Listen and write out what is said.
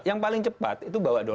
yang paling cepat itu bawa